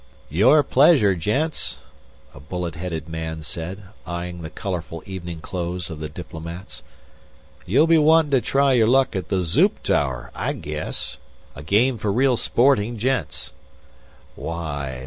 "Your pleasure, gents," a bullet headed man said, eyeing the colorful evening clothes of the diplomats. "You'll be wantin' to try your luck at the Zoop tower, I'd guess. A game for real sporting gents." "Why